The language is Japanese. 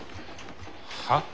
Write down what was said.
はっ？